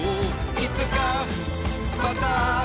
「いつかまた会おう」